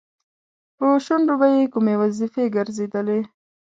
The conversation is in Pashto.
په شونډو به یې کومې وظیفې ګرځېدلې؟